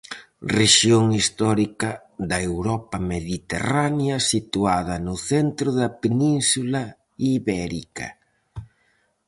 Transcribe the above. Rexión histórica da Europa mediterránea situada no centro da Península Ibérica.